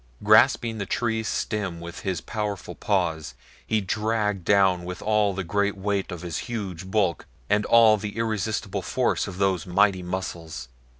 Grasping the tree's stem with his powerful paws he dragged down with all the great weight of his huge bulk and all the irresistible force of those mighty muscles.